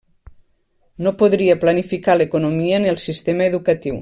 No podria planificar l'economia ni el sistema educatiu.